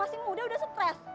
masih muda udah stres